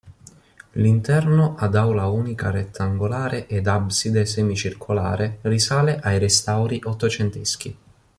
L'interno ad aula unica rettangolare ed abside semicircolare risale ai restauri ottocenteschi.